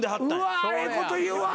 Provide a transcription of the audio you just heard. うわええこと言うわ。